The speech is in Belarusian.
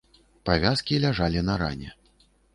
Павязкі ляжалі на ране.